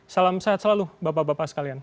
salam sehat selalu bapak bapak sekalian